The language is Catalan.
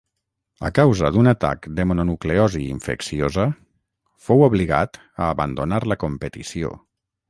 A causa d'un atac de mononucleosi infecciosa fou obligat a abandonar la competició.